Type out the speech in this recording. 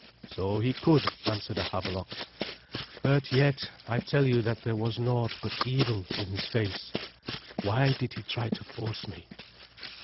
"So he could," answered Havelok. "But yet I tell you that there was naught but evil in his face. Why did he try to force me?"